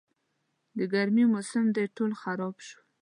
د ګرمي موسم دی، ټول خراب شول.